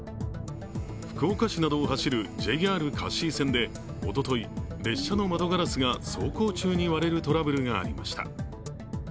福岡市などを走るＪＲ香椎線でおととい、列車の窓ガラスが走行中に割れるトラブルがありました。